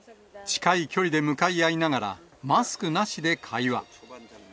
近い距離で向かい合いながら、マスクなしで会話。